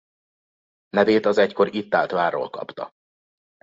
Nevét az egykor itt állt várról kapta.